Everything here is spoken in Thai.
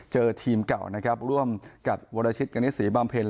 เจอทีมเก่านะครับร่วมกับวรชิตกณิตศรีบำเพ็ญ